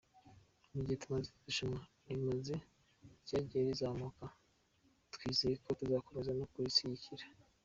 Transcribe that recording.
Mu gihe tumaze iri rushanwa rimaze ryagiye rizamuka, twizeye ko tuzakomeza no kurishyigikira.